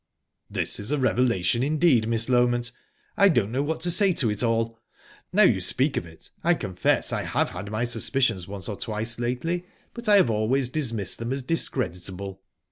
"This is a revelation indeed, Miss Loment!...I don't know what to say to it all. Now you speak of it, I confess I have had my suspicions once or twice lately, but I have always dismissed them as discreditable...